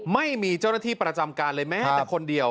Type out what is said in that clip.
ไม่มีเจ้าหน้าที่ประจำการเลยแม้แต่คนเดียว